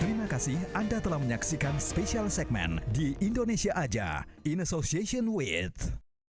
terima kasih anda telah menyaksikan special segmen di indonesia aja in association with